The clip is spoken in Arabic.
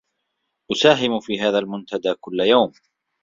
أساهم في هذا المنتدى كل يوم.